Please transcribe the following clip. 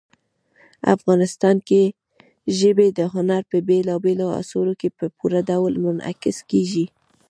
افغانستان کې ژبې د هنر په بېلابېلو اثارو کې په پوره ډول منعکس کېږي.